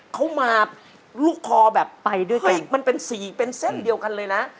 เขามาลุกคอแบบมันเป็นสีเป็นเส้นเดียวกันเลยนะ